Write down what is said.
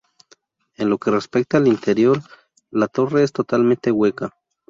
En lo que respecta al interior, la torre es totalmente hueca.